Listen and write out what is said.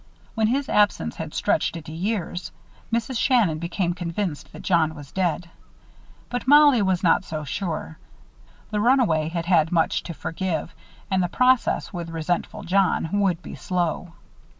When his absence had stretched into years, Mrs. Shannon became convinced that John was dead; but Mollie was not so sure. The runaway had had much to forgive, and the process, with resentful John, would be slow.